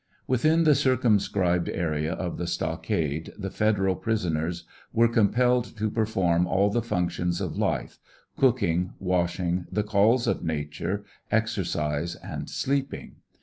Within the circumscribed area of the stockade the Federal prison ers were compelled to perform all the functions of life, cooking, wash ing, the calls of nature, exercise, and sleeping.